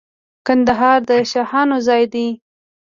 کندهار د شاهانو ځای دی.